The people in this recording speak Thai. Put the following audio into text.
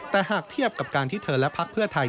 แต่หากเทียบกับการที่เธอและพักเพื่อไทย